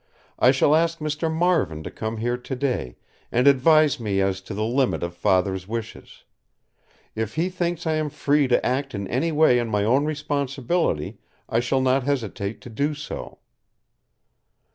I shall ask Mr. Marvin to come here today, and advise me as to the limit of Father's wishes. If he thinks I am free to act in any way on my own responsibility, I shall not hesitate to do so."